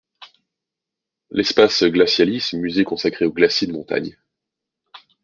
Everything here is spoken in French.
L'espace Glacialis - musée consacré aux glaciers de montagne.